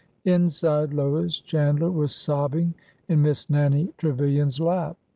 Inside, Lois Chandler was sobbing in Miss Nannie Tre vilian's lap.